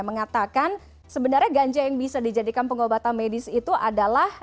mengatakan sebenarnya ganja yang bisa dijadikan pengobatan medis itu adalah